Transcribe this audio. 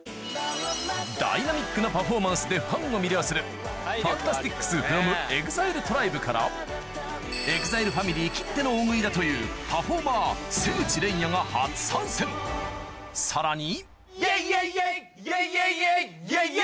ダイナミックなパフォーマンスでファンを魅了する ＦＡＮＴＡＳＴＩＣＳｆｒｏｍＥＸＩＬＥＴＲＩＢＥ から ＥＸＩＬＥ ファミリーきっての大食いだというパフォーマー瀬口黎弥が初参戦さらに